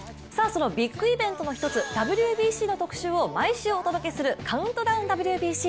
ビッグイベントの１つ、ＷＢＣを特集する「カウントダウンＷＢＣ」。